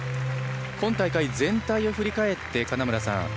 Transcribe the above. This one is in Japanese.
今大会全体を振り返って金村さん